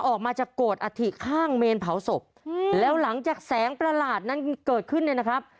ออกมาจากโกรธอัฐิข้างเมนเผาศพแล้วหลังจากแสงประหลาดนั้นเกิดขึ้นเนี่ยนะครับ